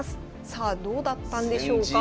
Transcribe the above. さあどうだったんでしょうか。